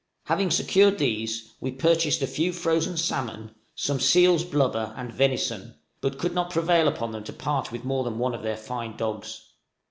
Having secured these, we purchased a few frozen salmon, some seals' blubber and venison, but could not prevail upon them to part with more than one of their fine dogs.